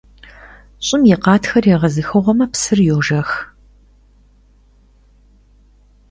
Ş'ım yi khatxer yêğezıxığueme, psır yojjex.